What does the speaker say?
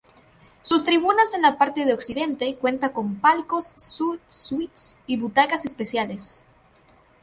Sus tribunas en la parte de Occidente cuenta con palcos suites y butacas especiales.